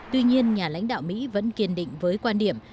tuy nhiên nhà lãnh đạo mỹ vẫn kiên định với quan điểm